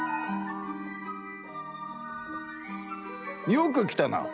よく来たな。